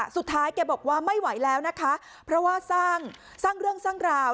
แกบอกว่าไม่ไหวแล้วนะคะเพราะว่าสร้างเรื่องสร้างราว